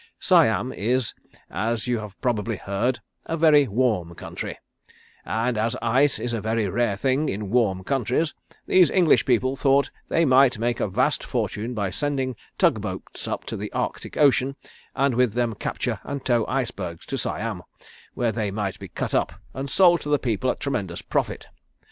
Siam is, as you have probably heard, a very warm country, and as ice is a very rare thing in warm countries these English people thought they might make a vast fortune by sending tug boats up to the Arctic Ocean, and with them capture and tow icebergs to Siam, where they might be cut up and sold to the people at tremendous profit.